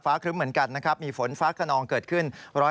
ครึ้มเหมือนกันนะครับมีฝนฟ้าขนองเกิดขึ้น